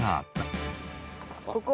ここ。